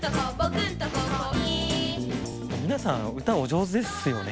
皆さん歌お上手ですよね